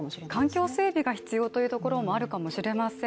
環境整備が必要というところもあるかもしれません。